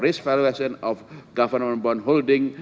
dan untuk penilai risiko dari penerbangan keuangan